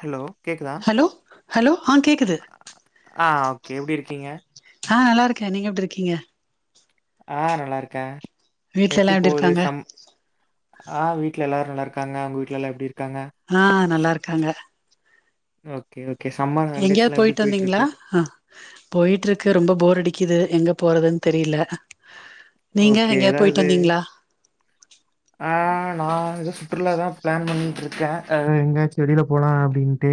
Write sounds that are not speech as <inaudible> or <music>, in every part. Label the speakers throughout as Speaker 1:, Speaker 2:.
Speaker 1: Hello கேக்குதா
Speaker 2: hello hello ஆ கேக்குது
Speaker 1: ஆ ஓகே எப்டி இருக்கீங்க
Speaker 2: ஆ நல்லாருக்கே நீங்க எப்டி இருக்கீங்க
Speaker 1: ஆ நல்லாருக்கே
Speaker 2: வீட்ல
Speaker 1: எப்டி
Speaker 2: எல்லா
Speaker 1: போவுது
Speaker 2: இருக்காங்க
Speaker 1: சம் ஆ வீட்ல எல்லாரு நல்லாருக்காங்க ஒங்க வீட்ல எல்லாமஎப்டி இருக்காங்க
Speaker 2: ஆ நல்லாருக்காங்க
Speaker 1: ஓகே ஓகே சம்ம
Speaker 2: எங்கெயாது பொயிட்டு வந்தீங்களா அ பொய்ட்ருக்கு ரொம்ப போர் அடிக்குது எங்க போறதுன் தெரில நீங்க
Speaker 1: ஓகே
Speaker 2: எங்கெயாது பொயிட்டு
Speaker 1: ஏதாவது
Speaker 2: வந்தீங்களா
Speaker 1: ஆ நா வந்து சுற்றுலா தா பிளான் பண்ணிட்ருக்கே எங்யாச்சி வெளிய போலா அப்டின்டு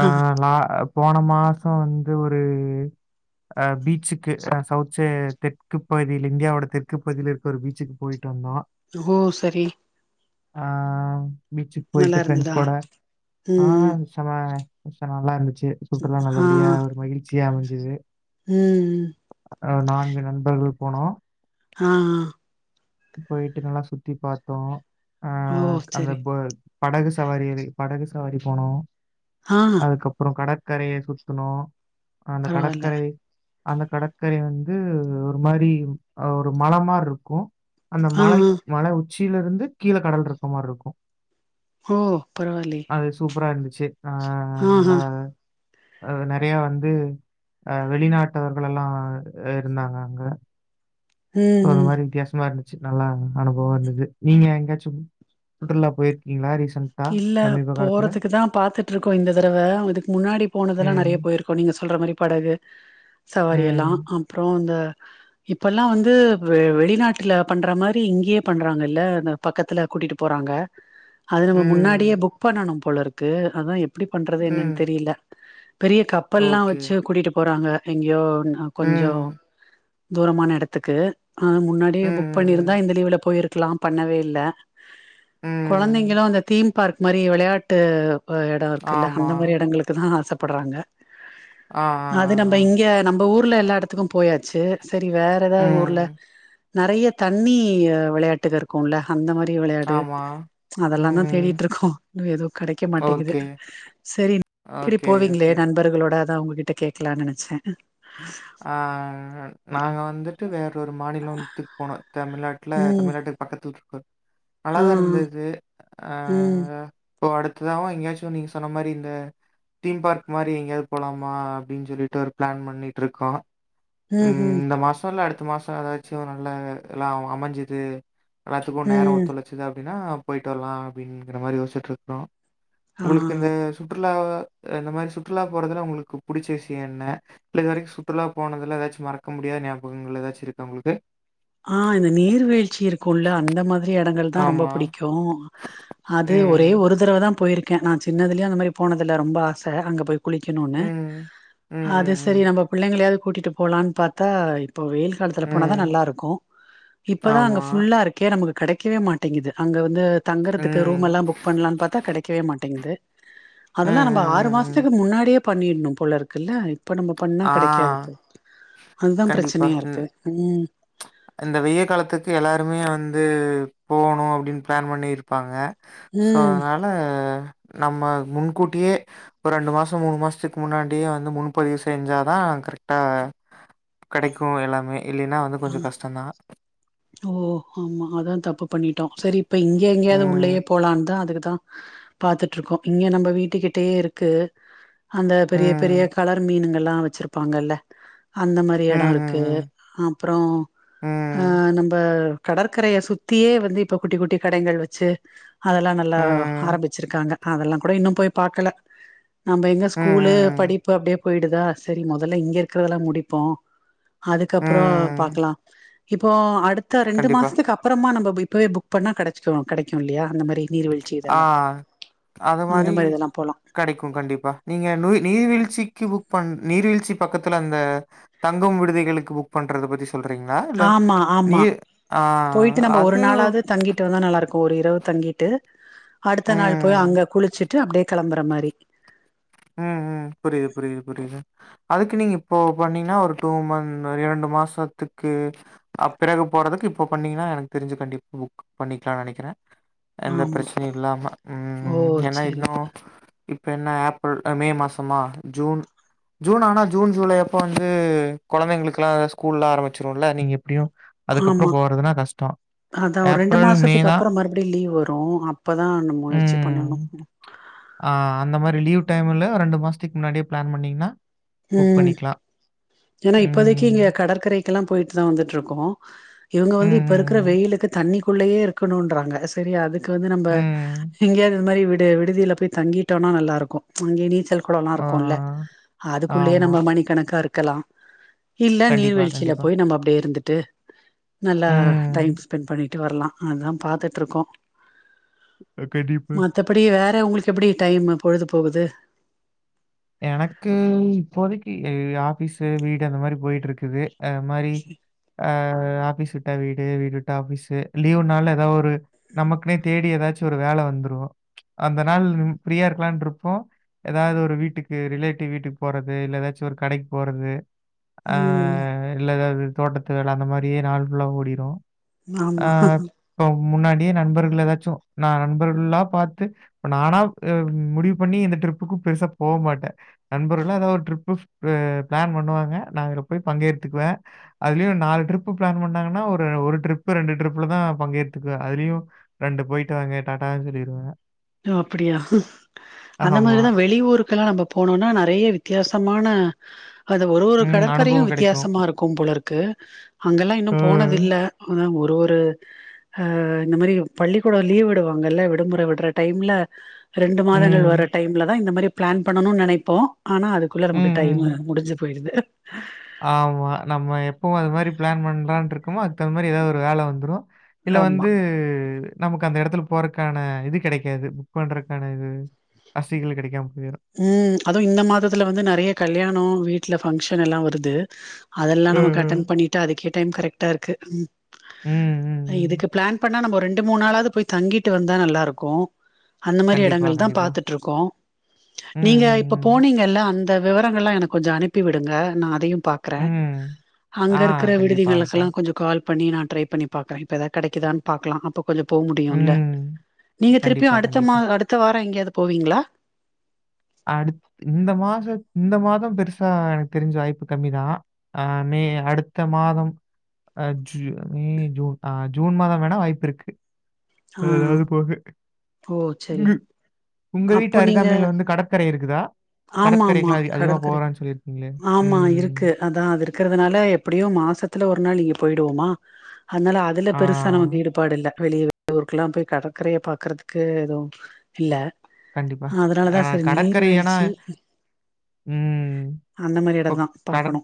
Speaker 1: ஆ நா போன மாச வந்து ஒரு அ பீச்சுக்கு சவுட்சே தெற்கு பகுதியில இந்தியாவோட தெற்கு பகுதியில இருக்க ஒரு பீச்சுக்கு பொயிட்டு வந்தோ
Speaker 2: ஓ சரி
Speaker 1: ஆ பீச்சுக்கு பொயிட்டு
Speaker 2: நல்லா
Speaker 1: ஃப்ரெண்ட்ஸ்
Speaker 2: இருந்ததா
Speaker 1: கூட ஆ
Speaker 2: ம்
Speaker 1: செம்ம பீச்லா நல்லாருந்துச்சு சுற்றுலா நல்லபடியா ஒரு மகிழ்ச்சியா அமஞ்சது
Speaker 2: ம் ம்
Speaker 1: அ நான்கு நண்பர்கள் போனோ
Speaker 2: ஆ ஆ
Speaker 1: பொயிட்டு நல்லா சுத்தி பாத்தோ அ
Speaker 2: ஓ
Speaker 1: அந்த
Speaker 2: சரி
Speaker 1: <unintelligible> படகு சவாரி படகு சவாரி போனோ
Speaker 2: ஆ
Speaker 1: அதுக்கப்றொ கடற்கரைய சுத்துணோ அந்த
Speaker 2: பரவால்ல
Speaker 1: கடற்கரை அந்த கடற்கரை வந்து ஒரு மாரி ஒரு மல மாரி இருக்கு அந்த
Speaker 2: ஆ
Speaker 1: மலை மல உச்சில இருந்து கீழ கடல்ருக்க மாரி இருக்கு
Speaker 2: ஓ பரவாலியே
Speaker 1: அது சூப்பரா இருந்துச்சு ஆ நல்லா நறையா வந்து வெளி நாட்டவர்கள் எல்லா இருந்தாங்க அங்க
Speaker 2: ம்
Speaker 1: ஒரு
Speaker 2: ம்
Speaker 1: மாரி வித்யாசமா இருந் துச்சு நல்லா அனுபவோ இருந்துது நீங்க எங்க்யாச்சு சுற்றுலா போய்ர்க்கீங்களா ரீசன்ட்
Speaker 2: இல்ல போறதுக்கு தா பாத்துட்டு இருக்கோ இந்த தடவ அதுக்கு முன்னாடி போனதெல்லா
Speaker 1: ம்.
Speaker 2: நறையா போய்ர் இப்போ நீங்க சொல்ற மாரி படகு சவாரி எல்லா
Speaker 1: ம்.
Speaker 2: அப்றோ இந்த இப்பெலா வந்து வெ வெளிநாட்ல பண்ற மாரி இங்க்யே பண்றாங்க இல்ல அந்த பக்கத்துல கூட்டிட்டு போறாங்க அது நம்ம முன்னாடியே
Speaker 1: ம்.
Speaker 2: புக் பண்ணனு போல இருக்கு அதா எப்டி பண்றது என்னன்னு
Speaker 1: ம்.
Speaker 2: தெரில்ல பெரிய கப் பல் லா
Speaker 1: ஓகே.
Speaker 2: வெச்சு கூட்டிட்டு போறாங்க எங்க்யோ கொஞ்சோ
Speaker 1: ம்.
Speaker 2: தூரமான எடத்துக்கு அ
Speaker 1: ம்.
Speaker 2: முன்னாடியே புக் பண்ணிருந்தா
Speaker 1: ம்.
Speaker 2: இந்த லீவுல போய்ருக்கலாம் பண்ணவே இல்ல
Speaker 1: ம்.
Speaker 2: கொழந்தெங்களு
Speaker 1: ம்.
Speaker 2: அந்த தீம் பார்க் மாரி வெளையாட்டு அ டார்க்குல்ல
Speaker 1: ஆமா.
Speaker 2: அந்த மாரி எடங்களுக்கு தா ஆச பட்றாங்க
Speaker 1: ஆ, ஆ,
Speaker 2: அது
Speaker 1: ஆ,
Speaker 2: நம்ப
Speaker 1: ஆ.
Speaker 2: இங்க நம்ப ஊர்ல எல்லா எடத்துக்கு போயாச்சு செரி வேற எதா ஊர்ல
Speaker 1: ம்.
Speaker 2: நறயா தண்ணி விளையாட்டுக கூ ல்ல அந்த மாரி வெளையாடு
Speaker 1: ஆமா.
Speaker 2: அதெல்லாந்தா
Speaker 1: ம்.
Speaker 2: தேடிட்டுருக்கோ இன்னு எதூ கெடைக்க மாட்டேங்கிது
Speaker 1: ஓகே.
Speaker 2: செரி ரிப்
Speaker 1: ஓகே,
Speaker 2: போவீங்களே
Speaker 1: ஓகே.
Speaker 2: நண்பர்களோடா அதா உங்ககிட்ட கேக்கலான்னு நெனச்சே
Speaker 1: அ நாங்க வந்துட்டு வேறொரு மாநிலோத்துக்கு போனோ தமிழ்நாட்ல
Speaker 2: ம்
Speaker 1: தமிழ்நாட்டுக் பக்கத்துல இருக்றது
Speaker 2: ஆ
Speaker 1: அழகா இருந்துது ஆ
Speaker 2: ம்
Speaker 1: இப்போ அடுத்ததாவு எங்க்யாச்சு நீங்க சொன்ன மாரி இந்த தீம் பார்க் மாரி எங்கெயாவ்து போலாமா அப்டின்னு சொல்லிட்டு ஒரு ப்ளான் பண்ணி ருக்கோ ம் இந்த மாசோ இல்ல அடு த்து மாசோ எதாச்சு நல்லா எல்லா அமிஞ்சுது எல்லாத்துக்கு நேரோ
Speaker 2: ம்
Speaker 1: ஒத்தொழ சுது அப்டின்னா போய்ட்டு வரலா அப்டிங்கிற மாரி யோசிட்ருக்கோ
Speaker 2: ஆ
Speaker 1: உங்களுக்கு இந்த சுற்றுலா இந்த மாரி சுற்றுலா போறதுல உங்களுக்கு புடுச்ச விஷ்யொ என்ன இல்ல இதுவரைக்கு சுற்றுலா போனதுல எதாச்சு மறக்க முடியாத ஞாபகங்கள் எதாச்சு இருக்கா உங்களுக்கு
Speaker 2: ஆ இந்த நீர்வீழ்ச்சி இருக்குல அந்த மா ரி எடங்கள் தா ரொம்ப
Speaker 1: ஆமா.
Speaker 2: புடிக்கு அது ஒரே
Speaker 1: ம்.
Speaker 2: ஒரு தடவதா போயிருக் கே நா சின்னதுலேயே அந்த மாரி போனது இல்ல ரொம்ப ஆச அங்க போய் குளிக்கெணுன்னு
Speaker 1: ம். ம். ம்.
Speaker 2: அது செரி
Speaker 1: ம்.
Speaker 2: நம்ம பிள்ளெங்களயாவது கூட்டிட்டு போலான்னு பாத்தா இப்ப வெயில் காலத்துல போன தா
Speaker 1: ம்.
Speaker 2: நல்லா இருக்கு இப்பதா
Speaker 1: ஆமா.
Speaker 2: அங்க ஃபுல்லா இருக்கே நமக்கு கடைக்கவே மாட்டேங்குது அங்க வந்து தங்குறதுக்கு ரூம்
Speaker 1: ம்.
Speaker 2: எல்லா புக் பண்ணலான்னு பாத்தா கடைக்கவே மாட்டேங்குது
Speaker 1: ம்,
Speaker 2: அதெல்லா நம்ப
Speaker 1: ம்,
Speaker 2: ஆறு
Speaker 1: ம், ம்.
Speaker 2: மாசத்துக்கு முன்னாடியே பண்ணிற்னு போல இருக்குல்ல இப்ப நம்ப பண்ணா
Speaker 1: ஆ
Speaker 2: கடைக்காது அதுதா
Speaker 1: கண்டிப்பா.
Speaker 2: பிரச்சனயா
Speaker 1: ம்.
Speaker 2: இருக்கு ம்
Speaker 1: இந்த வெய்ய காலத்துக்கு எல்லாருமே வந்து போணு அப்டின்னு பிளான் பண்ணிருப்பாங்க சோ
Speaker 2: ம்
Speaker 1: அதனால நம்ம முன்கூட்டியே ஒரு ரெண்டு மாசோ மூனு மாசத்துக்கு முன்னாடியே வந்து முன்பதிவு செஞ்சாதா கரக்ட்டா கடைக்கு எல்லாமே இல்லைன்னா வந்து கொஞ்சோ கஷ்டொந்தா
Speaker 2: ஓ ஆமா அதா தப்பு பண்ணிட்டோ சரி இப்ப இங்க எங்கேயாவது உள்ளயே
Speaker 1: ம்.
Speaker 2: ப் போலான்தா அதுக்குதா பாத்துட்டு இருக்கோ இங்கயே நம்ம வீட்டுக்கிட்டயே இருக்கு அந்த பெரிய பெரிய
Speaker 1: ம்.
Speaker 2: கலர் மீனுங்கல்லா வச்சிருப்பாங்கல்ல அந்த மாரி
Speaker 1: ம்,
Speaker 2: எட
Speaker 1: ம்,
Speaker 2: இருக்கு
Speaker 1: ம்.
Speaker 2: அப்றோ ஆ
Speaker 1: ம்.
Speaker 2: நம்ப கடற்கரைய சுத்தியே வந்து இப்ப குட்டி குட்டி கடைகள் வச்சு அதெல்லா நல்லா
Speaker 1: ம்.
Speaker 2: ஆரம்பிச்சிருக்காங்க அதெல்லா கூட இன்னு போய் பாக்கல நம்ம எங்க
Speaker 1: ம்,
Speaker 2: ஸ்கூலு
Speaker 1: ம், ம்.
Speaker 2: படிப்பு அப்டியே போயிடுதா சேரி மொதல்ல இங்க இருக்குறதெல்லா முடிப்போ அதுக்கப்புற
Speaker 1: ம்.
Speaker 2: பாக்கலா இப்போ அடுத்த ரெண்டு
Speaker 1: கண்டிப்பா.
Speaker 2: மாசத்துக்கு அப் அப்றமா நம்ப போய் இப்பவே புக் பண்ணா கெடச்சிரு கெடக்கு இல்லயா அந்த மாரி நீர்வீழ்ச்சி
Speaker 1: ஆ
Speaker 2: இதெல்லா அந்த மாரி இதெல்லா போலா
Speaker 1: கெடைக்கு கண்டிப்பா நீங்க நொய் நீர்வீழ்ச்சிக்கு புக் பண் நீர்வீழ்ச்சி பக்கத்துல அந்த தங்கும் விடுதிகளுக்கு புக் பண்றத பத்தி ஸ் சொல்றீங்களா இல்ல
Speaker 2: ஆமா
Speaker 1: நீ
Speaker 2: ஆமா
Speaker 1: அ அது
Speaker 2: ட்டு வந்தா நல்லா இருக்கு ஒரு இரவு தங்கிட்டு அடுத்த நாள் போய்
Speaker 1: ம்.
Speaker 2: அங்க குளிச்சுட்டு அப்டியே கெளம்புற மாரி
Speaker 1: ம் ம் புரியுது புரியுது புரியுது அதுக்கு நீங்க இப்போ பண்ணீங்கன்னா ஒரு டூ மந் இரண்டு மாசத்துக்கு அ பிறகு போறதுக்கு இப்ப பண்ணீங்கனா எனக்கு தெரிஞ்சு கண்டிப்பா புக் பண்ணிக்கலானு நெனைக்கிறே எந்த
Speaker 2: ஆமா
Speaker 1: பிரச்சனையு இல்லாம
Speaker 2: ஓ
Speaker 1: ம் ஏனா
Speaker 2: சரி
Speaker 1: இன்னு இப்ப என்ன ஆப் பிள் மே மாசமா ஜூன் ஜூன் ஆனா ஜூன் ஜூலை அப்ப வந்து கொழந்தைங்களுக்குக் கெல்லா ஸ்கூல்லா ஆரம்பிச்சுருல நீங்க எப்டியு அதுக்கப்புற
Speaker 2: ஆமா
Speaker 1: போறதுனா கஷ்டோ
Speaker 2: அதா ஒரு ரெண்டு மாசத்துக்கு அப்புற மறுபடியு லீவ் வரு அப்பதா நம் முயற்சி பண்ணணு
Speaker 1: ம். ஆ அந்த மாரி லீவ் டைம்ல ரெண்டு மாசத்துக்கு முன்னாடியே பிளான் பண்ணீங்கன்னா புக் பண்ணிக்கலா
Speaker 2: ஏனா இப்போதைக்கு இங்க கடற்கரைக்கெல்லா போயிட்டு தா வந்துட்டு இருக்கோ இவுங்க
Speaker 1: ம்,
Speaker 2: வந்து இப்ப இருக்கிற
Speaker 1: ம்,
Speaker 2: வெயிலுக்கு தண்ணி குள்ளயே இருக்கணுன்றாங்க சரி அதுக்கு வந்து நம்ப
Speaker 1: ம். ம்.
Speaker 2: எங்கேயாவது இது மாதிரி விடு விடுதில போய் தங்கிட்டோனா நல்லா இருக்கு அங்கேயே நீச்சல் கொழொலா
Speaker 1: ஆ.
Speaker 2: இருக்குல அதுக்குள்ளேயே
Speaker 1: ஆமா.
Speaker 2: நம்ம மணிக்கணக்கா இருக் க்கலா இல்ல
Speaker 1: கண்டிப்பா,
Speaker 2: நீர்வீழ்ச்சில
Speaker 1: கண்டிப்பா.
Speaker 2: போய் நம்ம அப்டியே இருந்துட்டு நல்லா டைம்
Speaker 1: ம்.
Speaker 2: ஸ்பெண்ட் பண்ணிட்டு வரலா அதா பாத்துட்டு இருக்கோ
Speaker 1: கண்டிப்பா
Speaker 2: அப்டி வேற உங்களுக்கு எப்டி டைமு பொழுது போகுது
Speaker 1: எனக்கு இப்போதைக்கு ஆஃபீஸ் வீடு அந்த மாரி போயிட்டு இருக்குது அ மாரி அ ஆஃபீஸ் விட்டா வீடு வீடு விட்டா ஆஃபீஸ் லீவுனால ஏதாவது ஒரு நமக்குனே தேடி ஏதாச்சு ஒரு வேல வந்துரு அந்த நாள் ஃபிரீயா இருக்கலான்ருப்போ ஏதாவது ஒரு வீட்டுக் கு ரிலேட்டிவ் வீட்டுக்கு போறது இல்ல ஏதாச்சு ஒரு கடைக்கு போறது ஆ
Speaker 2: ம்
Speaker 1: இல்ல எதாவது தோட்டத்து வேல அந்த மாரியே நாள் ஃபுல்லா ஓடிரு ஆ
Speaker 2: ஆமா
Speaker 1: இப்ப முன்னாடியே நண்பர்கள் ஏதாச்சு நா நண்பர்கள்ல்லா பாத்து இப்ப நானா அ முடிவு பண்ணி இந்த ட்ரிப்புக்கு பெருசா போ மாட் நண்பர்களா ஏதாவது ஒரு ட்ரிப்பு பிளான் பண்ணுவாங்க நா இத போய் பங்கேத்துக்குவே அதுலயு நாலு ட்ரிப்பு பிளான் பண்ணாங்கன்னா ஒரு ஒரு ட்ரிப்பு ரெண்டு ட்ரிப்புல தா பங்கேடுத்துக்குவே அதுலயு ரெண்டு போயிட்டு வாங்க டாடான்னு சொல்லிருவே
Speaker 2: ஜோ அப்பிடியா அந்த
Speaker 1: ஆமா.
Speaker 2: மாரிதா வெளியூரு கலா நம்ப போனோனா நெறைய வித்யாசமான அது ஒரு ஒரு
Speaker 1: ம்.
Speaker 2: கடற்கரையு
Speaker 1: அனுபவம் கிடைக்கும்.
Speaker 2: வித்யாசமா இருக்கும் போலருக்கு அங்கெல்லா இன்னு
Speaker 1: ம்.
Speaker 2: போனதில்ல அதா ஒரு ஒரு ஆ இந்த மாரி பள்ளிக்கூட லீவ் விடுவாங்கல்ல விடுமுறை விடுற டைம்ல ரெண்டு மாதங்கள் வர
Speaker 1: ம்.
Speaker 2: டைம்லதா இந்த மாரி பிளான் பண்ணணுன் நெனைப்போ ஆனா அதுக்குள்ள
Speaker 1: ம்.
Speaker 2: நமக்கு டைமு
Speaker 1: ம்.
Speaker 2: முடிஞ்சு போயிடுது
Speaker 1: ஆமா நம்ம எப்பவு அது மாரி பிளான் பண்லான்ட்ருக்கமோ அதுக்கு தகுந்த மாரி ஏதாவது ஒரு வேல வந்துரு இல்ல
Speaker 2: ஆமா
Speaker 1: வந்து நமக்கு அந்த எடத்துல போறக்கான இது கெடைக்காது புக் பண்றதுக்கான இது வசதிகள் கிடைக்காம போயிரு
Speaker 2: ம் அது இந்த மாதத்துல வந்து நெறைய கல்யாண வீட்ல ஃபங்க்ஷன் எல்லா வருது அதெல்லா
Speaker 1: அ,
Speaker 2: நமக்கு அட்டன்
Speaker 1: அ.
Speaker 2: பண்ணிட்டு அதுக்கே டைம் கரெக்டா இருக்கு ம்
Speaker 1: ம். ம். ம்.
Speaker 2: இதுக்கு பிளான் பண் ணா நம்ம ரெண்டு மூணு நாளாது போய் தங்கிட்டு வந்தா நல்லாருக்கு அந்த மாரி
Speaker 1: கண்டிப்பா,
Speaker 2: எடங்கள்தா
Speaker 1: கண்டிப்பா.
Speaker 2: பாத்துட்ருக்கோ
Speaker 1: ம்.
Speaker 2: நீங்க இப்ப
Speaker 1: ம்.
Speaker 2: போனிங்கல்ல அந்த விவரங்கல்லா எனக்கு கொஞ்ச அனுப்பி விடுங்க நா அதையு பா க்கற
Speaker 1: ம். ம்.
Speaker 2: அங்க
Speaker 1: ஆ.
Speaker 2: இருக்கிற
Speaker 1: கண்டிப்பா
Speaker 2: விடுதிகளுக்கெல்லா
Speaker 1: அனுப்புறேன்.
Speaker 2: கொஞ்ச கால் பண்ணி நா ட்ரை பண்ணி பாக்கறே இப்ப எதா கெடைக்குதான் பாக்லா அப்போ கொஞ்ச போ முடியுல்ல
Speaker 1: ம்.
Speaker 2: நீங்க திருப்பியு
Speaker 1: கண்டிப்பா,
Speaker 2: அடுத்த மா
Speaker 1: கண்டிப்பா.
Speaker 2: அடுத்த வார எங்கயாவது போவிங்ளா
Speaker 1: அடுத் இந்த மாச இந்த மாதம் பெருசா எனக்கு தெரிஞ்சு வாய்ப்பு கம்மிதா ஆ மே அடுத்த மாதம் அ ஜூ மே ஜூன் ஆ ஜூன் மாதம் வேணா வாய்ப்பிருக்கு
Speaker 2: ஆ
Speaker 1: எதாவது போக
Speaker 2: ஓ செரி
Speaker 1: இங்க உங்க வீட்டு
Speaker 2: அப்போ நீங்க
Speaker 1: அருகாமையில வந்து கடற்கரை இருக்குதா
Speaker 2: ஆமா ஆமா
Speaker 1: கடற்கரைக்கெலா அ அதிகமா
Speaker 2: கடற்கரை
Speaker 1: போறான் சொல்லிருக்கிங்ளே
Speaker 2: ஆமா
Speaker 1: ம்
Speaker 2: இருக்கு அதா அது இருக்கிறதுனால எப்படியு மாசத்துல ஒரு நாள் இங்க போயிடுவோமா அதனால அதுல
Speaker 1: ஆ
Speaker 2: பெரு சா நமக்கு ஈடுபாடு இல்ல வெளிய வெளியூருக்கெல்லா போய் கடற்கரையை பாக்கறதுக்கு எது இல்ல
Speaker 1: கண்டிப்பா. ஆ
Speaker 2: அதனாலதா செரி நீர்
Speaker 1: கடற்கரை ஏன்னா
Speaker 2: வீழ்ச்சி
Speaker 1: ம்.
Speaker 2: அந்த மாரி
Speaker 1: இப்போ
Speaker 2: எடந்தா
Speaker 1: கட
Speaker 2: பாக்கணு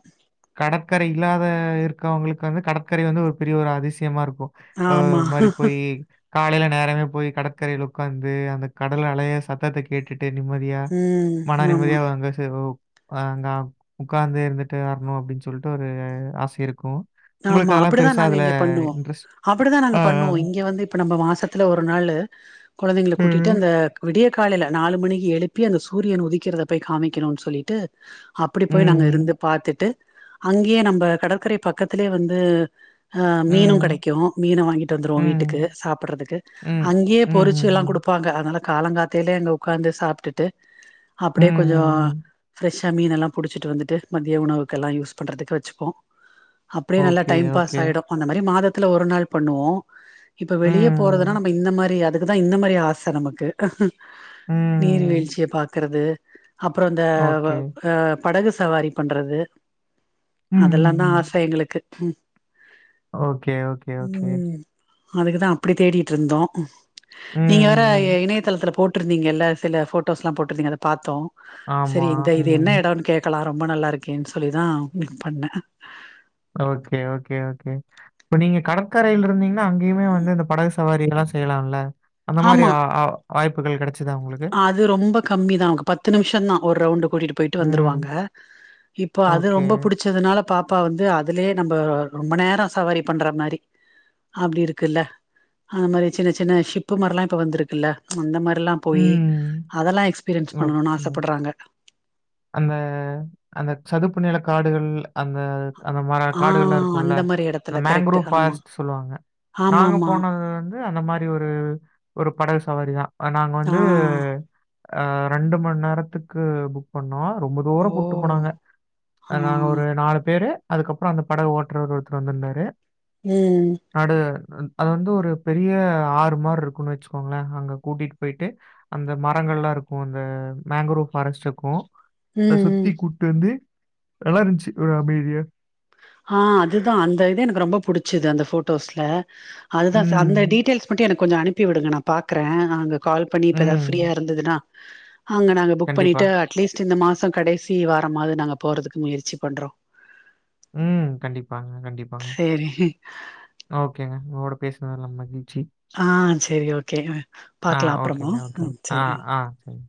Speaker 1: கடற்கரை இல்லாத இருக்கவங்களுக்கு வந்து கடற்கரை வந்து ஒரு பெரிய ஒரு அதிசயமா இருக்கு அ
Speaker 2: ஆமா
Speaker 1: ஒரு மாரி போயி காலையில நேரமே போய் கடற்கரைல உக்காந்து அந்த கடல் அலைய சத்தத்த கேட்டுட்டு நிம்மதியா
Speaker 2: ம்
Speaker 1: மன
Speaker 2: ஆமா
Speaker 1: நிம்மதியா அங்க அங்க உக்காந்து இருந்துட்டு வரணு அப்டின் சொல்ட்டு ஒரு ஆசை இருக்கு
Speaker 2: ஆமா அப்படிதா நாங்க இங்க பண்ணுவோ அப்படிதா
Speaker 1: ஆ,
Speaker 2: நாங்க
Speaker 1: ஆ.
Speaker 2: பண்ணுவோ இங்க வந்து இப்ப நம்ம மாசத்துல ஒரு நாளு கொழந்தைங்கள கூட்டிட்டு
Speaker 1: ம்.
Speaker 2: அந்த விடிய காலையில நாலு மணிக்கு எழுப்பி அந்த சூரியன் உதிக்கிறத போய் காமிக்கணுன் சொல்லிட்டு அப்படி போய் நாங்க இருந்து
Speaker 1: ம்.
Speaker 2: பாத்துட்டு அங்கயே நம்ம கடற்கரை பக்கத்திலே வந்து அ மீனு
Speaker 1: ம்.
Speaker 2: கெடைக்கு மீனு வாங்கிட்டு வந்துருவோ வீட்டுக்கு
Speaker 1: ம்.
Speaker 2: சாப்படுறதுக்கு
Speaker 1: ம். ம்.
Speaker 2: அங்கயே
Speaker 1: ம்.
Speaker 2: பொறிச்சு எல்லா
Speaker 1: ம்.
Speaker 2: குடுப்பாங்க அதனால காலங்காத்தாலே அங்க உக்காந்து சாப்ட்டுட்டு
Speaker 1: ம்.
Speaker 2: அப்படியே கொஞ்ச
Speaker 1: ம்.
Speaker 2: ஃப்ரஷ் மீனெல்லா புடிச்சிட்டு வந்துட்டு மதிய உணவுக்கெல்லா யூஸ் பண்றதுக்கு வெச்சுப்போ அப்படியே நல்லா
Speaker 1: ஓகே,
Speaker 2: டைம் பாஸ்
Speaker 1: ஓகே.
Speaker 2: ஆயிடு அந்த மாரி மாதத்துல ஒரு நாள் பண்ணுவோ இப்ப வெளிய போறதுனா
Speaker 1: ம்.
Speaker 2: நம்ம இந்த மாரி அதுக்கு தா இந்த மாரி ஆச நமக்கு
Speaker 1: ம்.
Speaker 2: நீர்வீழ்ச்சிய பாக்கறது அப்புற இந்த
Speaker 1: ஓகே.
Speaker 2: அ படகு சவாரி பண்றது
Speaker 1: ம் ம்
Speaker 2: அதெல்லாந்தா
Speaker 1: ம்.
Speaker 2: ஆச ட்டு
Speaker 1: ஓகே ஓகே ஓகே.
Speaker 2: ம் அதுக்குதா அப்படி தேடிட்டு இருந்தோ
Speaker 1: ம்
Speaker 2: நீங்க வேற
Speaker 1: ம் ம்.
Speaker 2: இணையதளத்துல போட் ருந்திங்கல்ல சில ஃபோட்டோஸ்லா போட்ருந்திங்க அத பாத்தோ
Speaker 1: ஆமா.
Speaker 2: செரி இந்த இது
Speaker 1: ம்.
Speaker 2: என்ன எடன்னு கேட் க்கலா ரொம்ப நல்லா இருக்கேன் சொல்லி தா உங்களுக்கு பண்ண
Speaker 1: ஓக்கே ஓக்கே ஓக்கே இப்ப நீங்க கடற்கரைல் இருந்தீங்கன்னா அங்கயுமே வந்து இந்த படகு சவாரியெல்லா செய்யலால்ல அந்த மாரி
Speaker 2: ஆமா
Speaker 1: ஆ ஆ வாய்ப்புகள் கெடைச்சு
Speaker 2: அது ரொம்ப கம்மிதா உக்கு பத்து நிம்ஷந்தா ஒரு ரவுண்டு கூட்டிட்டு போயிட்டு
Speaker 1: ம்.
Speaker 2: வந்துருவாங்க இப்போ அது
Speaker 1: ஓகே.
Speaker 2: ரொம்ப புடிச் சதுனால பாப்பா வந்து அதுலயே நம்ப ரொம்ப நேரோ சவாரி பண்ற மாரி அப்டி இருக்குல்ல அந்த மாரி சின்ன சின்ன ஷிப்பு மார்லா இப்ப வந்துருக்குல்ல அந்த மாரிலா போய் அதலா எக்ஸ்
Speaker 1: ஓக்கேங்க அந்த அந்த சதுப்பு நில காடுகள் அந்த அந்த மார
Speaker 2: ஆ
Speaker 1: காடுகள்லா இருக்குல்ல
Speaker 2: அந்த மாரி
Speaker 1: அந்த
Speaker 2: எடத்துல கரெக்ட்
Speaker 1: மேங்க்ரோவ்
Speaker 2: ஆமா
Speaker 1: ஃபாரஸ்ட் சொல்லுவாங்க நாங்க
Speaker 2: ஆமாமா
Speaker 1: போனது வந்து அந்த மாரி ஒரு ஒரு படகு சவாரி தா அ நாங்க
Speaker 2: ஆ
Speaker 1: வந்து அ ரெண்டு மண் நேரத்துக்கு புக் பண்ணா ரொம்ப தூரோ
Speaker 2: ஓ
Speaker 1: கூட்டு போனாங்க
Speaker 2: ஆ
Speaker 1: அ நாங்க ஒரு நாலு பேரு அதுக்கப்றோ அந்த படக ஓட்டுறவர் ஒருத்தர் வந்துருந்தாரு
Speaker 2: ம்
Speaker 1: நடு அது வந்து ஒரு பெரிய ஆறு மார் இருக்குன்னு வச்சுக்கோங்கள அங்க கூட்டிட்டு போயிட்டு அந்த மரங்கள்லா இருக்கு அந்த மேங்க்ரோவ் ஃபாரஸ்ட் இருக்கோ அத
Speaker 2: ம்
Speaker 1: சுத்தி கு ட்டு வந்து நல்லா இருந்துச்சு ஒரு அமைதியா
Speaker 2: ஆ அதுதா அந்த இது எனக்கு ரொம்ப புடிச்சிது அந்த போட்டோஸ்ல அதுதா ச அந்த
Speaker 1: ம்.
Speaker 2: டீட்டெல்ஸ் மட்டு எனக்கு கொஞ்சோ அனுப்பி விடுங்க நா பாக்றே நா அங்க கால் பண்ணி இப்ப எதா
Speaker 1: ம்.
Speaker 2: ஃப்ரீயா இருந்துதுனா அங்க நாங்க புக்
Speaker 1: கண்டிப்பா.
Speaker 2: பண்ணிட்டு அட்லீஸ்ட் இந்த மாசோ கடைசி வாரமாது நாங்க போறதுக்கு முயற்சி பண்றோ
Speaker 1: ம் கண்டிப்பாங்க கண்டிப்பாங்க
Speaker 2: செரி
Speaker 1: ஓக்கேங்க உங்களோட பேசுனதுல மகிழ்ச்சி
Speaker 2: ஆ சேரி ஓகே
Speaker 1: ஆ
Speaker 2: பாக்கலா அப்புறமா
Speaker 1: ஓக்கேங்க ஓக்கே
Speaker 2: ம்
Speaker 1: ஆ
Speaker 2: சேரி
Speaker 1: ஆ சரி